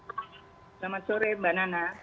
selamat sore mbak nana